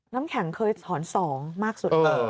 น้ำแข็งเคยถอน๒มากสุด